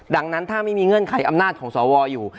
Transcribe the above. ดังนั้นถ้าไม่มีเงื่อนไขอำนาจของสวอยู่